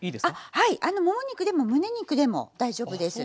はいもも肉でもむね肉でも大丈夫です。